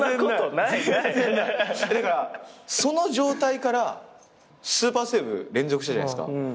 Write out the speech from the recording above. その状態からスーパーセーブ連続したじゃないっすか。